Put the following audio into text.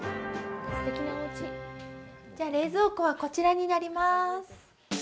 じゃあ、冷蔵庫はこちらになります。